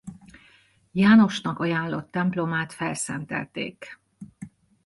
Jánosnak ajánlott templomát felszentelték.